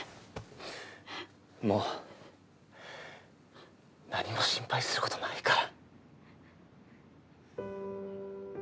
もう何も心配することないから。